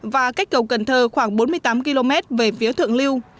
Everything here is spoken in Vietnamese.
và cách cầu cần thơ khoảng bốn mươi tám km về phía thượng lưu